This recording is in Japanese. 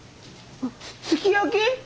すき焼き！？